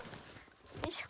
よいしょ。